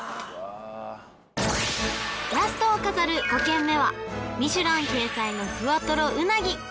ラストを飾る５軒目はミシュラン掲載のふわトロうなぎ